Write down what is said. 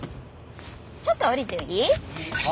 ちょっと降りていい？は？